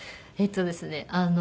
えっとですね